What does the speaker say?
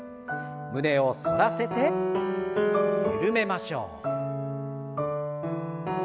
胸を反らせて緩めましょう。